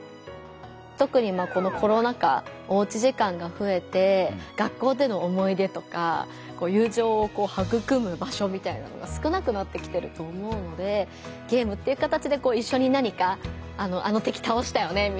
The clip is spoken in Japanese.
とくにこのコロナ禍おうち時間がふえて学校での思い出とか友情をはぐくむ場所みたいなのが少なくなってきてると思うのでゲームっていう形で一緒に何か「あの敵倒したよね」